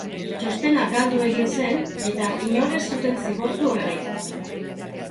Txostena galdu egin zen eta inor ez zuten zigortu horregatik.